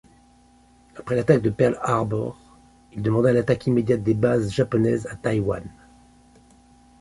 Après l'attaque de Pearl Harbor, il demanda l'attaque immédiate des bases japonaises à Taïwan.